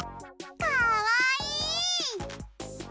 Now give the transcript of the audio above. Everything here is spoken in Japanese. かわいい！